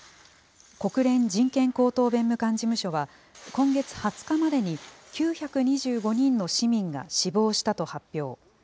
国連人権高等弁務官事務所は、今月２０日までに９２５人の市民が死亡したと発表。